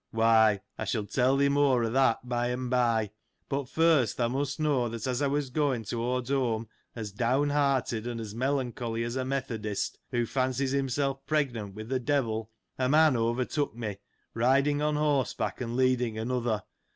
— Why, I shall tell thee more of that by and by. But, first thou must know, that, as I was going towards home, as downhearted, and as melancholy as a methodist, who fancies himself pregnant with the devil,^ a man overtook me, riding on horse back, and leading another.